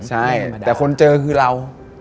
ใช่แต่คนเจอคือเรา